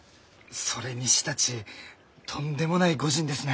それにしたちとんでもない御仁ですね。